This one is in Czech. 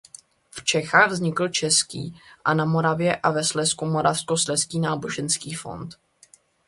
V Čechách vznikl český a na Moravě a ve Slezsku moravskoslezský náboženský fond.